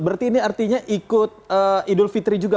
berarti ini artinya ikut idul fitri juga